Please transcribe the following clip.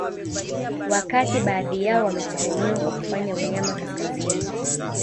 Wakati baadhi yao wametuhumiwa kwa kufanya unyama kaskazini